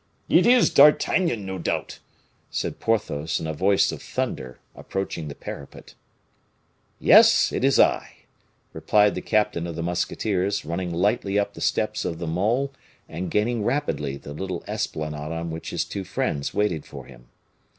"It is D'Artagnan, no doubt," said Porthos, in a voice of thunder, approaching the parapet. "Yes, it is I," replied the captain of the musketeers, running lightly up the steps of the mole, and gaining rapidly the little esplanade on which his two friends waited for him.